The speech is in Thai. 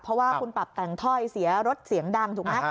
เพราะว่าคุณปรับแต่งถ้อยเสียรถเสียงดังถูกไหม